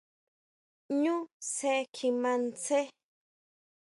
¿ʼÑu sje kjimá ʼnsje?